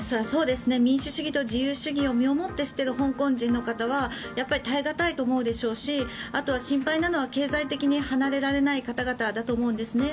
民主主義と自由主義を身をもって知っている香港人の方は耐え難いと思うでしょうしあと心配なのは経済的に離れられない方々だと思うんですね。